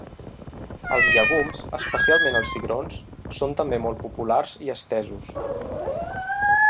Els llegums, especialment els cigrons, són també molt populars i estesos.